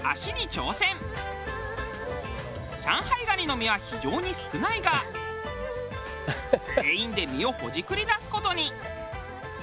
蟹の身は非常に少ないが全員で身をほじくり出す事に。